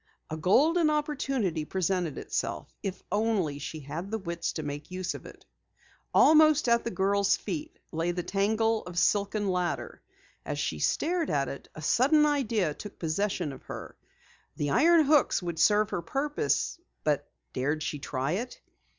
A golden opportunity presented itself, if only she had the wits to make use of it. Almost at the girl's feet lay the tangle of silken ladder. As she stared at it, a sudden idea took possession of her. The iron hooks would serve her purpose, but dared she try it?